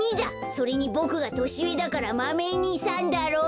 それにボクがとしうえだから「マメ２さん」だろ！